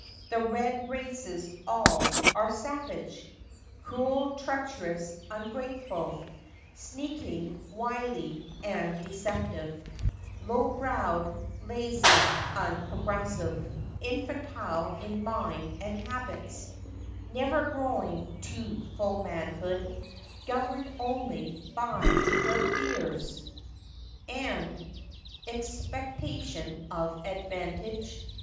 The red races all are savage; Cruel, treacherous, ungrateful, Sneaking, wily, and deceptive; Low browed, lazy, unprogressive; Infantile in mind and habits— Never growing to full manhood; Governed only by their fears and 14 FACTS AND FANCIES. Expectation of advantage.